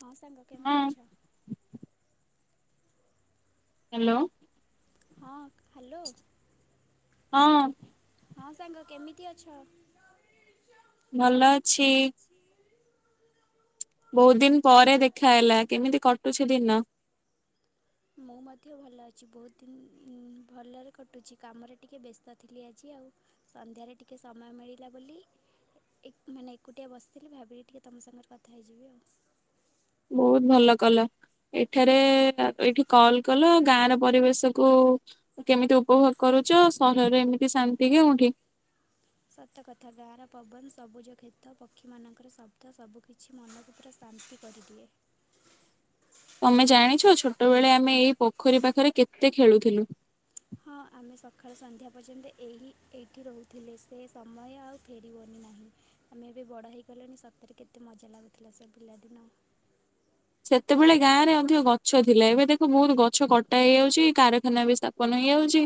ହଁ ସାଙ୍ଗ କେମିତି ହଁ ଅଛ? ହ୍ୟାଲୋ ହଁ ହ୍ୟାଲୋ ହଁ ହଁ ସାଙ୍ଗ କେମିତି ଅଛ? ଭଲ ଅଛି ବହୁତ ଦିନ ପରେ ଦେଖା ହେଲା କେମିତି କଟୁଛି ଦିନ ମୁଁ ମଧ୍ୟ ଭଲ ଅଛି ବହୁତ ଦିନ ଉ ଭଲରେ କଟୁଛି କାମରେ ଟିକିେ ବ୍ୟସ୍ତ ଥିଲି ଆଜି ଆଉ ସନ୍ଧ୍ୟାରେ ଟିକିଏ ସମୟ ମିଳିଲା ବୋଲି ଏ ଏକ ମାନେ ଏକୁଟିଆ ବସିଥିଲି ଭାବିଲି ଟିକେ ତୁମ ସାଙ୍ଗରେ କଥା ହେଇଯିବି ଆଉ ବହୁତ ଭଲ କଲ ଏଠାରେ ଏଇଠି କଲ କଲ ଗାଁ ର ପରିବେଶ କୁ କେମିତି ଉପଭୋଗ କରୁଛ ସହରରେ ଏମିତି ଶାନ୍ତି କେଉଠି? ସତକଥା ଗାଁର ପବନ ସବୁଜ କ୍ଷେତ ପକ୍ଷୀମାନଙ୍କର ଶବ୍ଦ ସବୁକିଛି ସେ ମନକୁ ପୁରା ଶାନ୍ତି କରିଦିଏ। ତମେ ଜାଣିଛ ଛୋଟବେଳେ ଆମେ ଏଇ ପୋଖରୀ ପାଖରେ କେତେ ଖେଳୁଥିଲୁ। ହଁ ଆମେ ସକାଳୁ ସନ୍ଧ୍ୟା ପର୍ଯ୍ୟନ୍ତ ଏହି ଏଇଠି ରହୁଥିଲେ ସେ ସମୟ ଆଉ ଫେରିବନି ନାହିଁ। ଆମେ ଏବେ ବଡ ହେଇଗଲେଣି ସତରେ କେତେ ମଜା ଲାଗୁଥିଲା ସେ ପିଲାଦିନ। ସେତେବେଳେ ଗାଁରେ ଅଧିକ ଗଛ ଥିଲା ଏବେ ଦେଖ ବହୁତ ଗଛ କଟା ହେଇଯାଉଛି କାରଖାନା ବି ତାକୁ [unintelligible] ନେଇ ଯାଉଛି।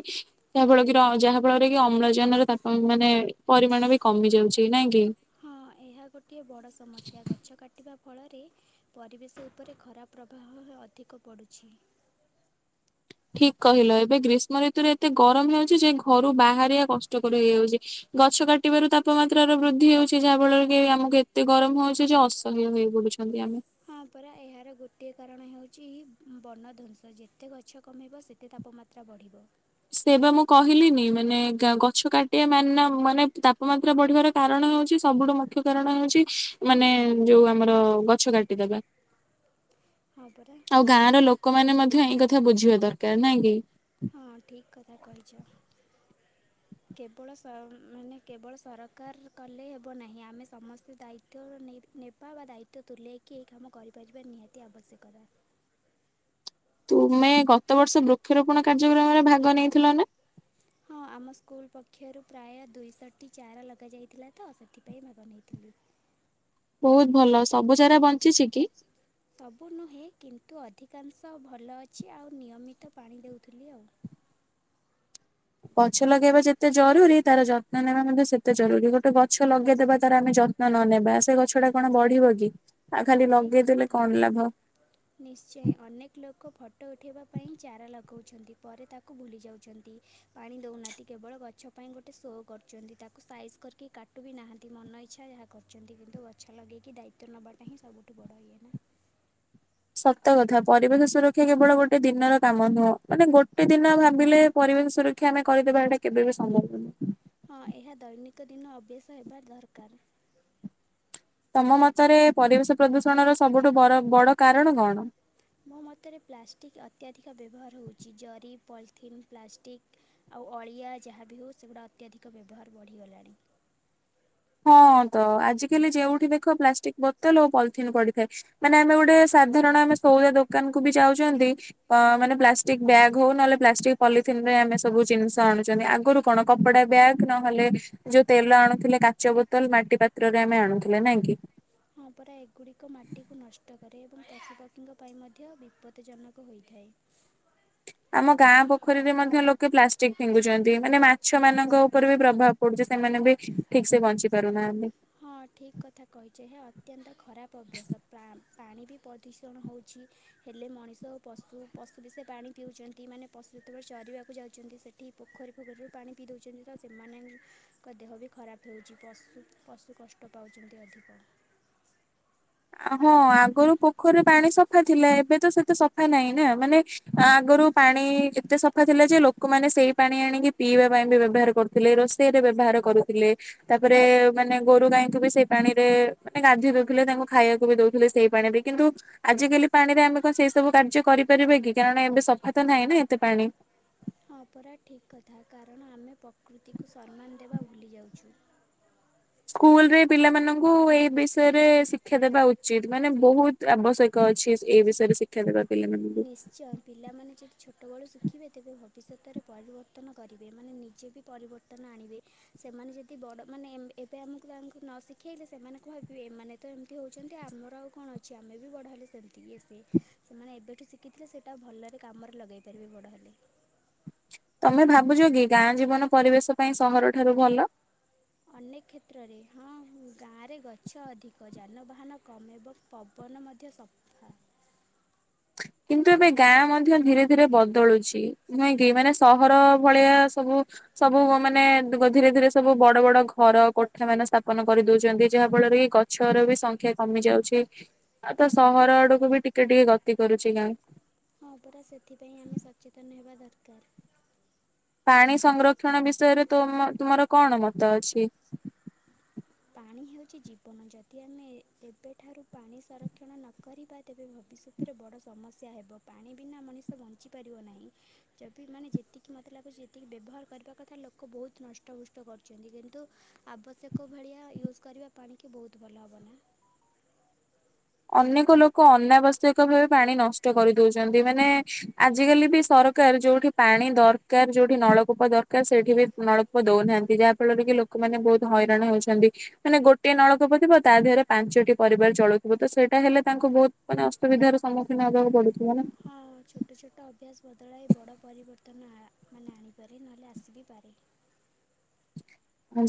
ଯାହା ଫଳ କି ରେ ଯାହା ଫଳରେ କି ଅମ୍ଳଜାନର ତାପ ମାନେ ପରିମାଣ ବି କମି ଯାଉଛି ନା କି। ହଁ ଏହା ଗୋଟିଏ ବଡ଼ ସମସ୍ୟା ଗଛ କାଟିବା ଫଳରେ ପରିବେଶ ଉପରେ ଖରାପ ପ୍ରଭାହ ଅଧିକ ପଡ଼ୁଛି। ଠିକ୍ କହିଲ ଏବେ ଗ୍ରୀଷ୍ମ ଋତୁରେ ଏତେ ଗରମ ହେଉଛି ଯେ ଘରୁ ବାହାରିବା କଷ୍ଟକର ହେଇଯାଉଛି। ଗଛ କାଟିବାରୁ ତାପମାତ୍ରାର ବୃଦ୍ଧି ହେଉଛି ଯାହା ଫଳରେ କି ଆମକୁ ଏତେ ଗରମ ହଉଛି ଯେ ଅସହ୍ୟ ହେଇ ପଡୁଛି। ଛନ୍ତି ଆମେ। ହଁ ପରା ଏହାର ଗୋଟିଏ କାରଣ ହେଉଛି ବନଧ୍ୱଂସ ଯେତେ ଗଛ କମେଇବ ସେତେ ତାପମା ମାତ୍ରା ବଢ଼ିବ। ସେ ବା ମୁଁ କହିଲିିନି ମାନେ କା ଗଛ କାଟିିବା ମାନ ମାନେ ତାପମାତ୍ରା ବଢିବାରେ କାରଣ ହଉଛି ସବୁଠୁ ମୁଖ୍ୟ କାରଣ ହଉଛି ମାନେ ଯୋଉ ଆମର ଗଛ କାଟିଦବା। ହଁ ପରା। ଆଉ ଗାଁ ର ଲୋକମାନେ ମଧ୍ୟ ଏଇ କଥା ବୁଝିବା ଦରକାର ନାଇଁ କି। ହଁ ଠିକ୍ କଥା କହିଛ। କେବଳ ସ ମାନେ କେବଳ ସରକାର କଲେ ହେବ ନାହିଁ ଆମେ ସମସ୍ତେ ଦାୟିତ୍ୱ ନେ ନେଇ ବା ଦାୟିତ୍ୱ ତୁଲେଇକି ଏହି କାମ କରିପାରିବା ନିହାତି ଆବଶ୍ୟକତା। ତୁମେ ଗତ ବର୍ଷ ବୃକ୍ଷରୋପଣ କାର୍ଯ୍ୟକ୍ରମରେ ଭାଗ ନେଇଥିଲ ନା? ହଁ ଆମ ସ୍କୁଲ ପକ୍ଷରୁ ପ୍ରାୟ ଦୁଇଶହଟି ଚାରା ଲଗାଯାଇଥିଲା ତ ସେଥିପାଇଁ ଭାଗ ନେଇଥିଲି। ବହୁତ ଭଲ ସବୁ ଚାରା ବଞ୍ଚିଛି କି? [inaudible] ସବୁ ନୁହେଁ କିନ୍ତୁ ଅଧିକାଂଶ ଭଲ ଅଛି ଆଉ ନିୟମିତ ପାଣି ଦେଉଥିଲି ଆଉ। ଗଛ ଲଗେଇବା ଯେତେ ଜରୁରୀ ତାର ଯ ତ୍ନ ନେବା ମଧ୍ୟ ସେତେ ଜରୁରୀ ଗୋଟେ ଗଛ ଲଗେଇଦବା ତାରା ଆମେ ଯତ୍ନ ନ ନେବା ସେ ଗଛ ଟା କଣ ବଢିବ କି। ଆଉ ହଁ ଖାଲି ଠିକ୍ ଲଗେଇଦଲେ କଥା। କଣ ଲାଭ। ନିଶ୍ଚୟ ଅନେକ ଲୋକ ଫଟୋ ଉଠେଇବା ପାଇଁ ହିଁ ଚାରା ଲଗାଉଛନ୍ତି ପରେ ତା କୁ ଭୁଲି ଯାଉଛନ୍ତି ପାଣି ଦେଉନାହାନ୍ତି କେବଳ ଗଛ ପାଇଁ ଗୋଟେ ଶୋ କରୁଛନ୍ତି ତାକୁ ସାଇଜ୍ କରିକି କା ଟୁ ବି ନାହାନ୍ତି ମନ ଇଚ୍ଛା ଯାହା କରୁଛନ୍ତି କିନ୍ତୁ ଗଛ ଲଗେଇକି ଦାୟିତ୍ୱ ନବାଟା ହିଁ ସବୁଠୁ ବଡ଼ ଇଏ ନା। ସତ କଥା। ପରିବେଶ ସୁରକ୍ଷା କେବଳ ଗୋଟେ ଦିନର କାମ ନୁହଁ, ମାନେ ଗୋଟେ ଦିନ ଭାବିଲେ ପରିବେଶ ସୁର କ୍ଷା ଆମେ କରିଦବା। ଏଇଟା କେବେ ବି ସମ୍ଭବ ନୁହଁ। ହଁ, ଏହା ଦୈନିକ ଦିନ ଅଭ୍ୟାସ ହେବା ଦରକାର। ତମ ମତରେ, ପରିବେଶ ପ୍ରଦୂଷଣର ସବୁଠୁ ବର ବଡ କାରଣ କଣ? ମୋ ମତରେ ପ୍ଲାଷ୍ଟିକ୍ ଅତ୍ୟାଧିକ ବ୍ୟବହାର ହେଉଛି ଜରି, ପଲିଥିନ୍, ପ୍ଲାଷ୍ଟିକ୍, ଆଉ ଅଳିଆ ଯାହାବି ହେଉ, ସେଗୁଡ଼ା ଅତ୍ୟଧିକ ବ୍ୟବହାର ବଢ଼ିଗଲାଣି। ହଁ ତ ଆଜିକାଲି ଯେଉଁଠି ଦେଖ ପ୍ଲାଷ୍ଟିକ ବୋତଲ ଓ ପଲିଥିନ୍ ପଡିଥାଏ। ମାନେ ଆମେ ଗୋଟେ ସାଧାରଣ ଆମେ ସଉଦା ଦୋକାନ କୁ ବି ଯାଉଛନ୍ତି ଅ, ମାନେ ପ୍ଲାଷ୍ ପ୍ଲାଷ୍ଟିକ ବ୍ୟାଗ ହଉ ନ ହେଲେ ପ୍ଲାଷ୍ଟିକ୍ ପଲିଥିନରେ ଆମେ ସବୁ ଜିନିଷ ଆଣୁଛନ୍ତି। ଆଗରୁ କଣ କପଡା ବ୍ୟାଗ୍ ନ ହେଲେ ଯୋଉ ତେଲ ଆଣୁଥିଲେ କାଚ ବୋତଲ, ମାଟି ପାତ୍ରରେ ଆମେ ଆଣୁଥିଲେ ନାଇଁ କି? ହଁ ପରା ଏଗୁଡ଼ିକ ମାଟିକୁ ନଷ୍ଟ କରେ ଏବଂ ପଶୁପକ୍ଷୀଙ୍କ ପାଇଁ ମଧ୍ୟ ବିପଦଜନକ ହୋଇଥାଏ। ଆମ ଗାଁ ପୋଖରୀରେ ମଧ୍ୟ ଲୋକେ ପ୍ଲାଷ୍ଟିକ୍ ଫିଙ୍ଗୁଚନ୍ତି, ମାନେ ମାଛ ମାନଙ୍କ ଉପରେ ବି ପ୍ରଭାବ ସୋଉଠୁ ସେମାନେ ବି ଠିକ୍ ସେ ବଞ୍ଚି ପାରୁନାହାନ୍ତି। ହଁ ଠିକ୍ କଥା କହିଛ। ଏହା ଅତ୍ୟନ୍ତ ଖରାପ ଅଭ୍ୟାସ। ପ୍ରାମ୍ ପାଣି ବି ପ୍ରଦୂଷଣ ହେଉଛି ହେଲେ, ମଣିଷ ଓ ପଶୁ, ପଶୁ ବି ସେ ପାଣି ପିଉଛନ୍ତି ମାନେ ପଶୁ ଯେତବେଳେ ଚରିବାକୁ ଯାଉଛନ୍ତି, ସେଠି ପୋଖରୀ ଫୋଖରୀରୁ ପାଣି ପିଇ ଦେଉଛନ୍ତି। ତ, ସେମାନେ ତାଙ୍କ ଦେହ ବି ଖରାପ ହେଉଛି। ପଶୁ ପଶୁ କଷ୍ଟ ପାଉଛନ୍ତି ଅଧିକ। ହଁ ଆଗରୁ ପୋ ପୋଖରୀର ପାଣି ସଫା ଥିଲା। ଏବେ ତ ସେତେ ସଫା ନାହିଁ। ନା ମାନେ ଆଗରୁ ପାଣି ଏତେ ସଫା ଥିଲା, ଯେ ଲୋ ଲୋକମାନେ ସେଇ ପାଣି ଆଣିକି ପିଇବା ପାଇଁ ବି ବ୍ୟବହାର କରୁଥିଲେ। ରୋଷେଇରେ ବ୍ୟବହାର କରୁଥିଲେ। ତା ପରେ ମାନେ ଗୋରୁ ଗାଈଙ୍କୁ ବି ସେଇ ପାଣିରେ ମାନେ ଗାଧୋଇ ଦୋଉଥିଲେ। ତାଙ୍କୁ ଖାଇବାକୁ ବି ଦଉଥିଲେ, ସେଇ ପାଣିରେ କିନ୍ତୁ ଆଜିକାଲି ପାଣିରେ ଆମେ କଣ ସେଇ ସବୁ କାର୍ଯ୍ୟ କରିପାରିବା କି? କାରଣ ଏବେ ସଫା ତ ନାହିଁ ନା। ଏତେ ପାଣି ହଁ ପରା ଠିକ୍ କଥା। କାରଣ ଆମେ ପ୍ରକୃତିକୁ ସମ୍ମାନ ଦେବା ଭୁଲିଯାଉଛୁ। ସ୍କୁଲରେ ପିଲାମାନଙ୍କୁ ଏଇ ବିଷୟରେ ଶିକ୍ଷା ଦେବା ଉଚିତ୍। ମାନେ ବହୁତ ଆବଶ୍ୟକ ଅଛି। ଏ ବିଷୟରେ ଶିକ୍ଷା ଦେବା ପିଲାମାନଙ୍କୁ। ସିଓର୍, ପିଲାମାନେ ଯଦି ଛୋଟବେଳୁ ଶିଖିବେ ତେବେ ଭବିଷ୍ୟତରେ ପରିବର୍ତ୍ତନ କରିବେ। ମାନେ ନିଜେ ବି ପରିବ ର୍ତ୍ତନ ଆଣିବେ। ସେମାନେ ଯଦି ବଡ଼ ମାନେ ଏ-ଏବେ ଆମକୁ ପିଲାଙ୍କୁ ନ ଶିଖାଇଲେ ସେମାନେ କଁ ଭାବିବେ। ଏମାନେ ତ ଏମିତି ହେଉଛନ୍ତି। ଆମର ଆଉ କଣ ଅଛି? ଆମେ ବି ବଡ଼ ହେଲେ ସେମ୍ତି ଇଏ, ସିଏ। ସେମାନେ ଏବେ ଶିଖିଥିଲେ। ସେଇଟା ଭଲରେ କାମରେ ଲଗେଇ ପାରିବେ ବଡ଼ ହେଲେ। ତମେ ଭାବୁଚ କି, ଗାଁ ଜୀବନ ପରିବେଶ ପାଇଁ ସହରଠାରୁ ଭଲ। ଅନେକ କ୍ଷେତ୍ରରେ, ହଁ ଗାଁରେ ଗଛ ଅଧିକ। ଯାନବାହାନ କମିବ ପବନ ମଧ୍ୟ ସଫା। କିନ୍ତୁ ଏବେ ଗାଁ ମଧ୍ୟ ଧୀରେ ଧୀରେ ବଦଳୁଛି ନୁହେଁ କି? ମାନେ ସହର ଭଳିଆ ସବୁ ସବୁ ମାନେ ଧିରେ ଧିରେ ସବୁ ବଡ ବଡ ଘର, କୋଠାମାନ ସ୍ଥାପନ କରିଦଉଚନ୍ତି। ଯାହା ଫଳରେ କି ଗ ଗଛର ବି ସଂଖ୍ୟା କମି ଯାଉଛି। ଆଉ ତ ହଁ ସହର ପରା ଆଡକୁ ବି ଟିକେ ଟିକେ ଗତି କରୁଛି ଗାଁ। ହଁ ପରା ସେଥିପାଇଁ ଆମେ ସଚେତନ ହେବା ଦରକାର। ପାଣି ସଂଗ୍ରକ୍ଷଣ ବିଷୟରେ ତୁମ-ତୁମର କଣ ମତ ଅଛି? ପାଣି ହେଉଚି ଜୀବନ। ଯଦି ଆମେ ଏବେଠାରୁ ପାଣି ସଂରକ୍ଷଣ ନ କରିବା, ତେବେ ଭବିଷ୍ୟତ ଏଥିରେ ବଡ଼ ସମସ୍ୟା ହେବ। ପାଣି ବିନା ମଣିଷ ବଞ୍ଚିପାରିବ ନାହିଁ। ଯଦି ମାନେ ଯେତିକି ମତେ ଲାଗୁଛି, ଯେତିକି ବ୍ୟବହାର କରିବା କଥା ଲୋକ ବହୁତ ନଷ୍ଟଭ୍ରଷ୍ଟ କରୁ ଚନ୍ତି କିନ୍ତୁ ଆବଶ୍ୟକ ଭଳିଆ ୟୁଜ୍ କରିବା ପାଣିକି ବହୁତ ଭଲ ହେବ ନା। ଅନେକ ଲୋକ ଅନାବଶ୍ୟକ ଭାବେ ପାଣି ନଷ୍ଟ କରିଦଉଚନ୍ତି। ମାନେ, ଆଜିକାଲି ବି ସର କାର ଯେଉଠି ପାଣି ଦରକାର, ଯେଉଠି ନଳକୂପ ଦରକାର ସେଇଠି ବି ନଳକୂପ ଦଉନାହାନ୍ତି। ଯାହା ଫଳରେ କି ଲୋ ଲୋକ ମାନେ ବହୁତ୍ ହଇରାଣ ହଉଛନ୍ତି, ମାନେ ଗୋଟଏ ନଳକୂପ ଥିବ ତା ଦେହରେ ପାଞ୍ଚଟି ପରିବାର ଚଳୁ ହୁଏତ ସେଇଟା ହେଲେ ତାଙ୍କୁ ବହୁତ୍ ମାନେ ଅସୁବିଧାର ସମ୍ମୁଖୀନ ହେବାକୁ ପଡୁଥିବ ନା। ହଁ ଛୋଟ-ଛୋଟ ଅଭ୍ୟାସ ବଦଳାଇ ବଡ଼ ପରିବର୍ତ୍ତନ ଆ ମାନେ ଆଣିପାରେ ନହେଲେ ଆସିିବି ପାରେ।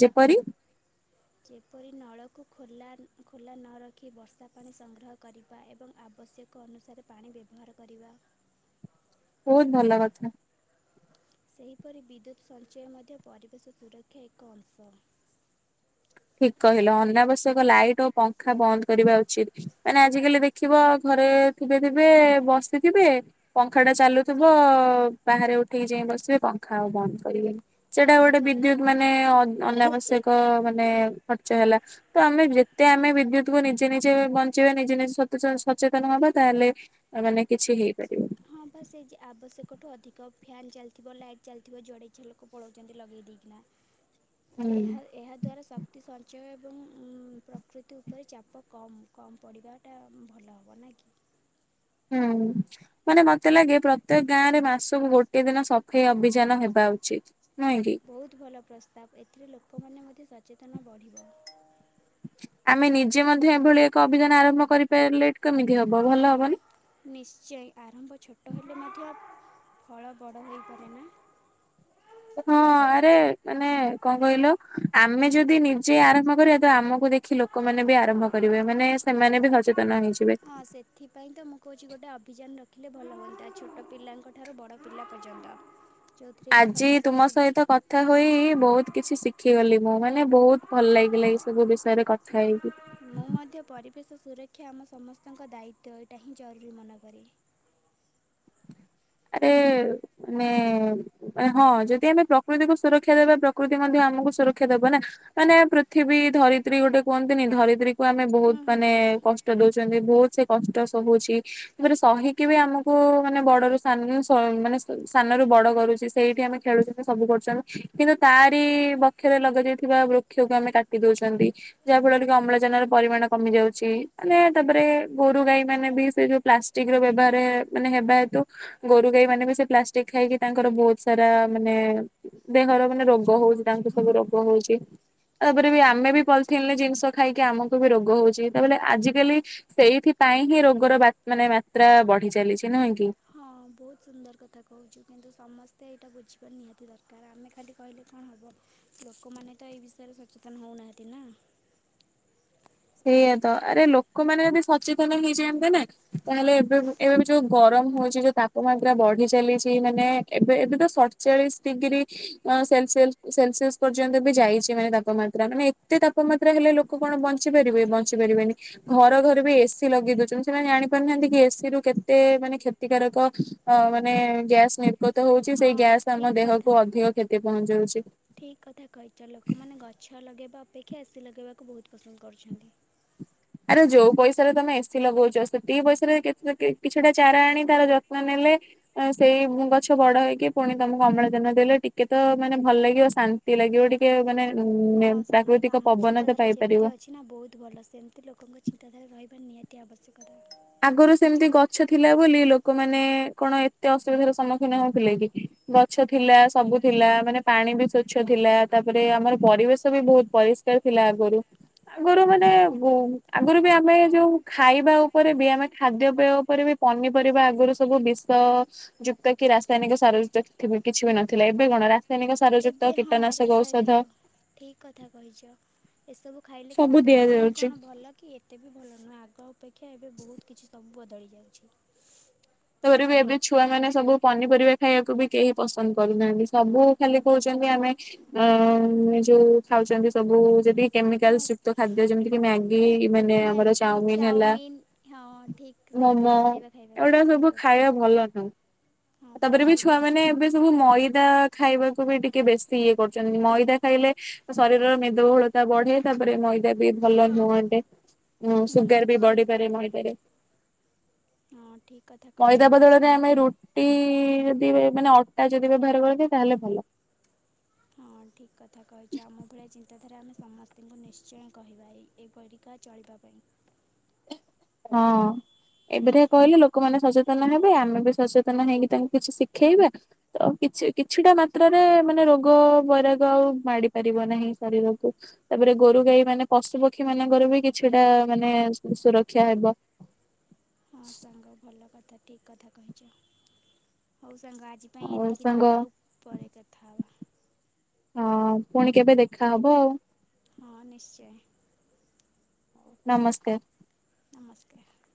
ଯେପରି ଯେପରି ନଳକୁ ଖୋଲା-ଖୋଲା ନ ରଖି ବର୍ଷା ପାଣି ସଂଗ୍ରହ କରିବା ଏବଂ ଆବଶ୍ୟ କ ଅନୁସାରେ ପାଣି ବ୍ୟବହାର କରିବା। ବହୁତ୍ ଭଲ କଥା। ସେହିପରି ବିଦ୍ୟୁତ୍ ସଞ୍ଚୟ ମଧ୍ୟ ପରିବେଶ ସୁରକ୍ଷା ଏକ ଅଂଶ। ଠିକ୍ କହିଲ ଅନାବଶ୍ୟକ ଲାଇଟ୍ ଓ ପଙ୍ଖା ବନ୍ଦ କରିବା ଉଚିତ୍। ମାନେ ଆଜିକାଲି ଦେଖିବ ଘରେ ଥିବେ-ଥିବେ ବସିଥିବେ ପଙ୍ଖା ଟା ଚାଲୁଥିବ ବାହାରେ ଉଠିକି ଯାଇ ବସିବେ ପଙ୍ଖା ଆଉ ବନ୍ଦ କରିବେନି। ସେଟା ହଁ ଗୋଟେ ପରା। ବିଦ୍ୟୁତ୍ ମାନେ ଅନାବଶ୍ୟକ ମାନେ ଖର୍ଚ୍ଚ ହେଲା। ତ ଆମେ ଯେତେ ଆମେ ବିଦ୍ୟୁତ୍ କୁ ନିଜେ-ନିଜେ ବଞ୍ଚେଇବା ନିଜେ-ନିଜେ ସଚେତ ସଚେତନ୍ ହବା ତାହେଲେ ତା ମାନେ କିଛି ହେଇପାରିବ। ହଁ ପା ସେ ଯେ ଆବଶ୍ୟକଠୁ ଅଧିକ ଫ୍ୟାନ୍ ଚାଲିଥିବ ଲାଇଟ୍ ଚାଲିଥିବ ଜୁଆଡ଼େ ଇଚ୍ଛା ଲୋକ ପଳାଉଚନ୍ତି ଲଗେଇ ଦେଇକିନା। ହୁଁ ଏହା-ଏହା ଦ୍ୱାରା ଶ କ୍ତି ସଞ୍ଚୟ ଏବଂ ପ୍ରକୃତି ଉପରେ ଚାପ କମ୍-କମ୍ ପଡ଼ିବାଟା ଭଲ ହବ ନା କି? ହୁଁ। ମାନେ ମତେ ଲାଗେ ପ୍ରତ୍ୟେକ ଗାଁରେ ମାସକୁ ଗୋଟିଏ ଦିନ ସଫେଇ ଅଭିଯାନ ହେବା ଉଚିତ୍। ନୁହେଁ କି? ବହୁତ୍ ଭଲ ପ୍ରସ୍ତାବ, ଏଥିରେ ଲୋକମାନେ ମଧ୍ୟ ସଚେତନ ବଢ଼ିବ। ଆମେ ନିଜେ ମଧ୍ୟ ଏଭଳି ଏକ ଅଭିଯାନ ଆରମ୍ଭ କରିପାରିଲେ କେମ୍ତି ହବ ଭଲ ହବନା? ନିଶ୍ଚୟ ଆରମ୍ଭ ଛୋଟ ହେଲେ ମଧ୍ୟ ଫଳ ବଡ଼ ହୋଇପାରେ ନା। ହଁ ଆରେ ମାନେ କଣ କହିଲ ଆମେ ଯଦି ନିଜେ ଆରମ୍ଭ କରିବା ତ ଆମକୁ ଦେଖି ଲୋ କମାନେ ବି ଆରମ୍ଭ କରିବେ ମାନେ ସେମାନେ ବି ସଚେତନ ହେଇଯି ହଁ ସେ ସେଥିପାଇଁ ତ ମୁଁ କହୁଚି ଗୋଟେ ଅଭିଯାନ ରଖିଲେ ଭଲ ହୁଅନ୍ତା ଛୋଟ ପିଲାଙ୍କ ଠାରୁ ବଡ଼ ପିଲା ପର୍ଯ୍ୟନ୍ତ। ଯୋଉଥିରେ କି ଆଜି ତୁମ ସମସ୍ତେ ସହିତ କଥା ହୋଇ ବହୁତ୍ କିଛି ଶିଖିଗଲି ମୁଁ ମାନେ ବହୁତ୍ ଭଲ ଲାଗିଲା ଏଇ ସବୁ ବିଷୟରେ କଥା ହେଇକି। ମୁଁ ମଧ୍ୟ ପରିବେଶ ସୁରକ୍ଷା ଆମ ସମସ୍ତଙ୍କ ଦାୟିତ୍ୱ ଏଇଟା ହିଁ ଜରୁରୀ ମନକରେ। ଆରେ [unintelligible] [unintelligible] ହଁ ଯଦି ଆମେ ପ୍ରକୃତିକୁ ସୁରକ୍ଷା ଦେବା ପ୍ରକୃତି ମଧ୍ୟ ଆମକୁ ସୁରକ୍ଷା ଦେବ ନା। ମାନେ ପୃଥିବୀ ଧରିତ୍ରୀ ଗୋଟେ କୁହନ୍ତିନି ଧରିତ୍ରୀ କୁ ଆମେ ବହୁତ୍ ହୁଁ ହୁଁ ମାନେ ହୁଁ କସ୍ ଷ୍ଟ ଦଉଛନ୍ତି ବହୁତ୍ ସେ କଷ୍ଟ ସହୁଛି ତାପରେ ସହିକି ବି ଆମକୁ ମାନେ ବଡରୁ [unintelligible] ମାନେ ସାନରୁ ବଡ କରୁଚି ସେଇଠି ଆମେ ଖେଳୁଚନ୍ତି ସବୁ କରୁଚନ୍ତି କିନ୍ତୁ ତାରି ବ [unintelligible] ଲଗାଯାଇଥିବା ବୃକ୍ଷକୁ ଆମେ କାଟିଦଉଚନ୍ତି। ଯାହା ଫଳରେ କି ଅମ୍ଳଜାନ ର ପରିମାଣ କମି ଯାଉଚି, ମାନେ ତାପରେ ଗୋରୁ ଗାଈ ମାନେ ବି ସେ ଯୋଉ ପ୍ଲା ଠିକ୍ ର ବ୍ୟବହାର ମାନେ ହେବା ହେତୁ ଗୋରୁ ଗାଈ ମାନେ ବି ସେ ପ୍ଲାଷ୍ଟିକ୍ ଖାଇକି ତାଙ୍କର ବହୁତ୍ ସାରା ମାନେ ଦେହର ମାନେ ରୋଗ ପୟଜନ ହଉଚି ହେଉଛି ତାଙ୍କୁ ହଁ ସବୁ ରୋଗ ହଉଚି, ତାପରେ ଆରେ ବି ଆମେ ବି ବାବୁ। ପଲିିଥିନ୍ ରେ ଜିନିଷ ଖାଇକି ଆମକୁ ବି ରୋଗ ହଉଚି [unintelligible] ଆଜିିକାଲି ସେଇଥିପାଇଁ ହିଁ ରୋଗର ବା ମାତ୍ରା ବଢି ଚାଲିଚି ନୁହେଁ କି? ହଁ ବହୁତ୍ ସୁନ୍ଦର୍ କଥା କହୁଚୁ କିନ୍ତୁ ସମସ୍ତେ ଏଇଟା ବୁଝିବା ନିହାତି ଦରକାର, ଆମେ ଖାଲି କହିଲେ କଣ ହବ। ଲୋକମାନେ ତ ଏଇ ବିଷୟରେ ସଚେତନ ହଉନାହାନ୍ତି ନା। ସେଇଆ ତ ଆରେ ଲୋକମାନେ ଯଦି ସଚେତନ ହେଇଯାନ୍ତେ ନା ତାହେଲେ, ଏବେ ଏବେ ବି ଯୋଉ ଗରମ ହଉଛି ଜୁ ତାପମାତ୍ରା ବଢି ଚାଲିଛି ମାନେ ଏବେ ଏବେ ତ ସ ଚାଳିଶ ଡିଗ୍ରୀ ହଁ ସେଲ ସେଲ ସେଲସିଅସ ପର୍ଯ୍ୟନ୍ତ ବି ଯାଇଛି ମାନେ ତାପମାତ୍ରା। ମାନେ ଏତେ ତାପମାତ୍ରା ହେଲେ ଲୋକ କଣ ବ ବଞ୍ଚି ପାରିବେ ବଞ୍ଚିପାରିବେନି। ଘରେ ଘରେ ବି ଏସିି ଲଗେଇ ଦଉଛନ୍ତି। ସେମାନେ ଜାଣି ପାରୁନାହାନ୍ତି କି ଏସି ରୁ କେତେ ମାନେ କ୍ଷ ତି କାରକ ଅ ମାନେ ଗ୍ୟାସ ନି କଥା ହଉଛି ସେଇ ହଁ ଗ୍ୟାସ ଆମ ଦେହକୁ ଅଧିକ କ୍ଷତି ପହଞ୍ଚଉଛି। ଠିକ କଥା କହିଛ। ଲୋକମାନେ ଗଛ ଲଗେଇବା ଅପେକ୍ଷା ଏସି ଲଗେଇବାକୁ ବହୁତ ପସନ୍ଦ କରୁଛନ୍ତି। ଆରେ ଯୋଉ ପଇସାରେ ତମେ ଏସି ଲଗଉଛ, ସେତିକି ପଇସାରେ କେତେ କିଛିଟା ଚାରା ଆଣି ତାର ଯତ୍ନ ନେଲେ ସେଇ ଗଛ ବଡ ହେଇକି ପୁଣି ତମକୁ ଅମ୍ଳଜାନ ଦେଲେ ଟିକେ ତ ମାନେ ଭଲ ଲାଗିବ ମାନେ ଶା ନ୍ତି ଲାଗିବ ଟିକେ ମାନେ ଉ ହଁ ସାଙ୍ଗ ତ ପ୍ରାକୃତିକ ଆମ ପବନ ତ ଚିନ୍ତାଧାରା ଯେମିତି ପାଇପାରିବ। ଅଛି ନା ବହୁତ ଭଲ। ସେମିତି ଲୋକଙ୍କ ଚିନ୍ତାଧାରା ରହିବା ନିହାତି ଆବଶ୍ୟକତା। ଆଗରୁ ସେମିତି ଗଛ ଥିଲା ବୋଲି ଲୋକମାନେ କଣ ଏତେ ଅସୁବିଧାର ସମ୍ମୁଖୀନ ହଉଥିଲେ କି? ଗଛ ଥିଲା ସବୁ ଥିଲା ମାନେ ପାଣି ବି ସ୍ଵଚ୍ଛ ଥିଲା ତାପରେ, ଆମର ପରିବେଶ ବି ବହୁତ ପରି ସ୍କାର ଥିଲା ଆଗରୁ, ଆଗରୁ ମାନେ ଗୁ ଆଗରୁ ବି ଆମେ ଯୋଉ ଖାଇବା ପରେ ବି ଆମେ ଖାଦ୍ୟ ବ୍ୟୟ ଉପରେ ବି ପନିପରିବା ଆଗରୁ ସବୁ ବିଷ ଯୁକ୍ତା କି ରାସାୟନିକ ସାର ଯୁକ୍ତ କିଛି ବି ନଥିଲା। ଏବେ କଣ ରା ଏବେ ହଁ ରାସାୟନିକ, ଠିକ କଥା କହିଛ। ଏସବୁ ଖାଇଲେ ସବୁ କିନ୍ତୁ ଦେହ ପାଇଁ ଦିଆଯାଉଛି କଣ ଭଲ କି ଏତେ ବି ଭଲ ନୁହଁ। ଆଗ ଅପେକ୍ଷା ଏବେ ବହୁତ କିଛି ସବୁ ବଦଳି ଯାଉଛି। ତା'ପରେ ବି ଏବେ ଛୁଆମାନେ ସବୁ ପନିପରିବା ଖାଇବାକୁ ବି କେହି ପସନ୍ଦ କରୁନାହାନ୍ତି, ସବୁ ଖାଲି କହୁଛନ୍ତି ଆମେ [unintelligible] ଯୋଉ ଖାଉଛନ୍ତି ସବୁ ଯଦି ହଁ କେମିକାଲ ଯୁକ୍ତ ଖାଦ୍ୟ ଯେମିତି କି ମ୍ୟା ଗି ମାନେ ଆମର ମ୍ୟାଗି ଚାଓମିନ ହେଲା ଚାଓମିିନ ହଁ ଠିକ୍ ମୋମୋ ସେହିପରି ଖାଇବା ଖାଇବାକୁ ଏଗୁଡ଼ା ପସନ୍ଦ ସବୁ ଖାଇବା କରୁଛନ୍ତି। ଭଲ ନୁହଁ। ହଁ ପରା ତାପରେ ବି ଠିକ୍ ଛୁଆ କଥା ମାନେ ଏବେ କହିଛ। ସବୁ ମଇଦା ଖାଇବାକୁ ବି ଟିକେ ବେଶୀ ଇଏ କରୁଛନ୍ତି, ମଇଦା ଖାଇଲେ ଶରୀରର ମେଦ ବହୁଳ ତା ବଢେ ତାପରେ ମଇଦା ବି ଭଲ ନୁହଁ ଏତେ [inaudible] ହଁ ସୁଗାର ବି ଠିକ୍ ବଢିପାରେ କଥା। ମଇଦାରେ। ହଁ ଠିକ କ ମଇଦା ବଦଳରେ ଆମେ ରୁଟି ଯଦି ମାନେ ଅଟା ଯଦି ବ୍ୟବହାର କରନ୍ତେ ତାହେଲେ ଭଲ। ହଁ ଠିକ୍ କଥା କହିଛ ଆମ ଭଳିଆ ଚିନ୍ତାଧାରା ଆମେ ସମସ୍ତଙ୍କୁ ନିଶ୍ଚୟ କହିବା ଏ ଏପରିକା ଚଳିବା ପାଇଁ। ହଁ। ଏପରିକା କହିଲେ ଲୋକମାନେ ସଚେତନ ହେବେ ଆମେ ବି ସଚେତନ ହେଇକି ତାଙ୍କୁ କିଛି ଶିଖେଇବା। ତ କିଛି କିଛିଟା ମାତ୍ରାରେ ମାନେ ରୋଗ, ବୈରାଗ ଆଉ ମାଡ଼ି ପାରିବ ନାହିଁ ଶରୀରକୁ। ତା'ପରେ ଗୋରୁଗାଈ ମାନେ ପଶୁ ପକ୍ଷୀ ମାନଙ୍କର ବି କିଛିଟା ମାନେ ସୁରକ୍ଷା ହେବ। ହଁ ସାଙ୍ଗ ଭଲ କଥା ଠିକ କଥା କହିଛ ହଉ ସାଙ୍ଗ ଆଜି ପାଇଁ ଆଉ ଏତିକି ସାଙ୍ଗ ଥାଉ ଆଉ ପରେ କଥା ହବା। ହଁ, ପୁଣି କେବେ ଦେଖାହବ ଆଉ। ହଁ, ନିଶ୍ଚୟ। ନମସ୍କାର। ନମସ୍କାର।